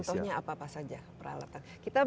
contohnya apa saja peralatan